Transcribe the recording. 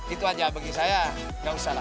itu aja bagi saya nggak usah lah